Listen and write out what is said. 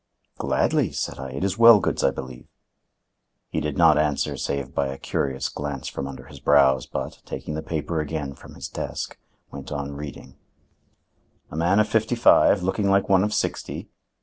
"Gladly," said I; "it is Wellgood's, I believe." He did not answer save by a curious glance from under his brows, but, taking the paper again from his desk, went on reading: "A man of fifty five looking like one of sixty.